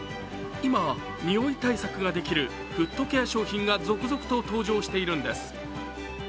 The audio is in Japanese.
今、におい対策ができるフットケア商品が続々と登場しているんです。